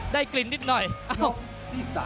ได้กลิ่นนิดหน่อย